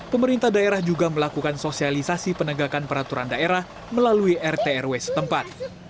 pemerintah daerah juga melakukan sosialisasi penegakan peraturan daerah melalui rt rw setempat